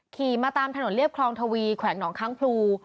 ขี่มาตามถนนเรียบคลองทวีแขวงหนองค้างพลู